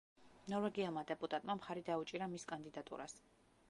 ნორვეგიელმა დეპუტატმა მხარი დაუჭირა მის კანდიდატურას.